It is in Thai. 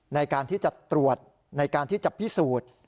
ในการที่จะตรวจในการที่จะพิสูจน์